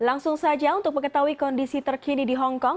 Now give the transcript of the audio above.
langsung saja untuk mengetahui kondisi terkini di hongkong